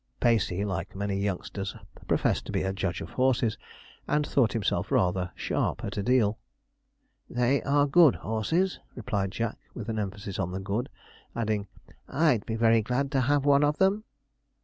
Pacey, like many youngsters, professed to be a judge of horses, and thought himself rather sharp at a deal. 'They are good horses,' replied Jack, with an emphasis on the good, adding, 'I'd be very glad to have one of them.'